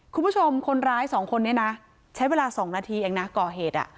คุณผู้ชมคนร้ายสองคนนี้นะใช้เวลา๒นาทีเองนะก่อเหตุ